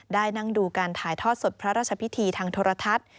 นั่งดูการถ่ายทอดสดพระราชพิธีทางโทรทัศน์